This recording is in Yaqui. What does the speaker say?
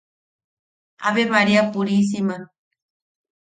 ¡Ave María purísima!